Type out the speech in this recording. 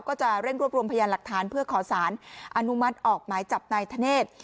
ก็จะเร่งรวบรวมพยานหลักฐานเพื่อขอสารอนุมัติออกหมายจับนายธเนธ